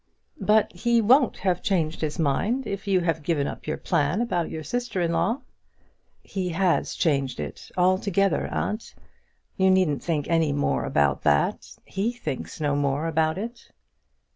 "But he won't have changed his mind if you have given up your plan about your sister in law." "He has changed it altogether, aunt. You needn't think anything more about that. He thinks no more about it."